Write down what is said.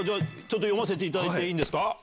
読ませていただいていいんですか。